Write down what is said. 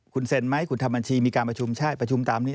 คุณเซ็นไหมคุณทำบัญชีมีการประชุมใช่ประชุมตามนี้